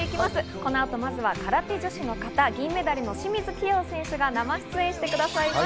この後、まずは空手女子の形、銀メダルの清水希容選手が生出演してくださいます。